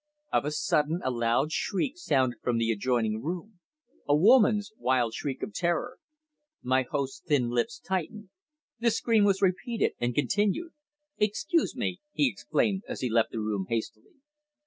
Of a sudden a loud shriek sounded from the adjoining room a woman's wild shriek of terror. My host's thin lips tightened. The scream was repeated, and continued. "Excuse me," he exclaimed as he left the room hastily.